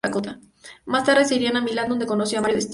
Más tarde ser iría a Milán donde conoció a Mario Testino.